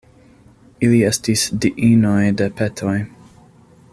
Ili estis diinoj de petoj.